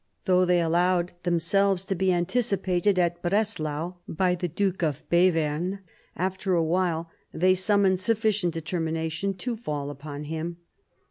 Though they allowed 140 MARIA THERESA chap, vii themselves to be anticipated at Breslau by the Duke of Bevern, after a while they summoned sufficient deter mination to fall upon him.